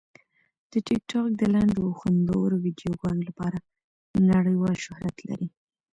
ټیکټاک د لنډو او خوندورو ویډیوګانو لپاره نړیوال شهرت لري.